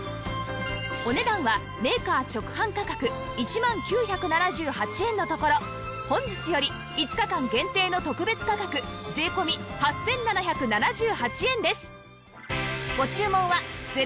お値段はメーカー直販価格１万９７８円のところ本日より５日間限定の特別価格税込８７７８円です